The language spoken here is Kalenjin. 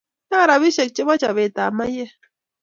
chang rapishek che po chape ab maiyek